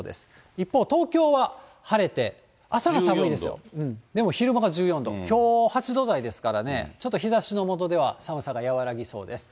一方、東京は晴れて、朝は寒いですよ、でも昼間が１４度、きょう８度台ですからね、ちょっと日ざしの下では寒さが和らぎそうです。